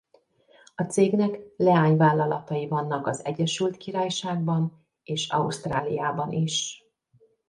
A cégnek leányvállalatai vannak az Egyesült Királyságban és Ausztráliában is.